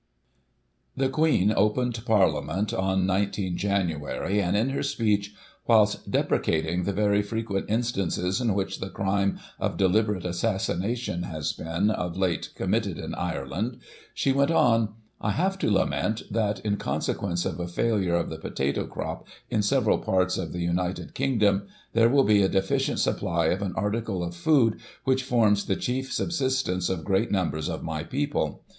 The Queen opened Parliament on ig Jan., and in her speech, whilst deprecating " the very frequent instances in which the crime of deliberate assassination has been, of late, committed in Ireland," she went on : "I have to lament that, in conse quence of a failure of the potato crop in several parts of the United Kingdom, there will be a deficient supply of an article of food which forms the chief subsistence of great numbers of my people.